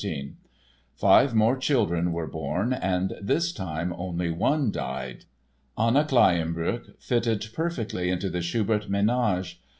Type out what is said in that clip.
Five more children were born and this time only one died. Anna Kleyenböck fitted perfectly into the Schubert ménage.